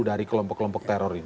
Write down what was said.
dari kelompok kelompok teror ini